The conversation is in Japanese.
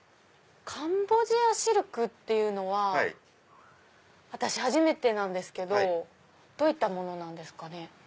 カンボジアシルクっていうのは私初めてなんですけどどういったものなんですかね？